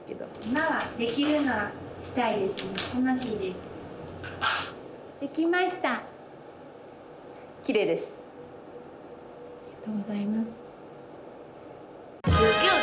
ありがとうございます。